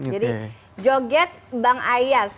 jadi joget bang ayas